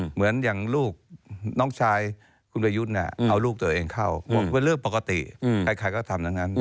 เหมือนอย่างลูกน้องชายคุณประยุทธ์เนี่ยเอาลูกตัวเองเข้าเป็นเรื่องปกติใครก็ทำอย่างนั้น